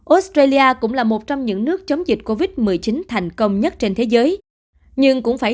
australia cũng là một trong những nước chống dịch covid một mươi chín thành công nhất trên thế giới nhưng cũng phải